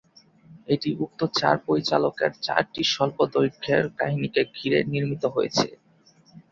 এটি উক্ত চার পরিচালকের চারটি স্বল্পদৈর্ঘ্যের কাহিনীকে ঘিরে নির্মিত হয়েছে।